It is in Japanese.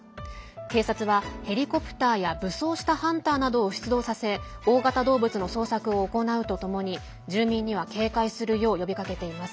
警察はヘリコプターや武装したハンターなどを出動させ大型動物の捜索を行うとともに住民には警戒するよう呼びかけています。